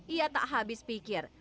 ia tak habis pikir